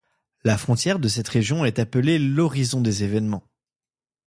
La frontière de cette région est appelée l'horizon des événements.